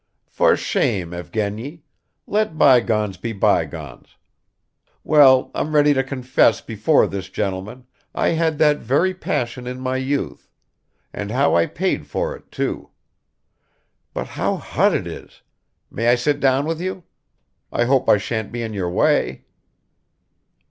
"For shame, Evgeny, ... Let bygones be bygones. Well, I'm ready to confess before this gentleman, I had that very passion in my youth and how I paid for it too ...! But how hot it is. May I sit down with you? I hope I shan't be in your way."